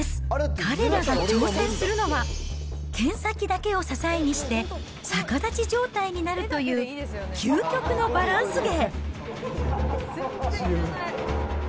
彼らが挑戦するのは、剣先だけを支えにして逆立ち状態になるという究極のバランス芸。